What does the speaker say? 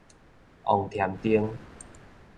王添灯